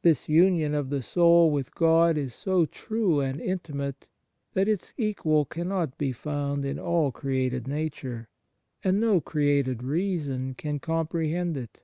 This union of the soul with God is so true and intimate that its equal cannot be found in all created nature, and no created reason can comprehend it.